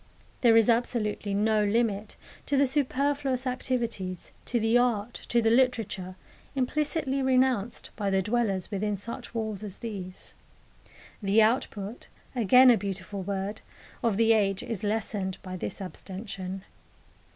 There is absolutely no limit to the superfluous activities, to the art, to the literature, implicitly renounced by the dwellers within such walls as these. The output again a beautiful word of the age is lessened by this abstention.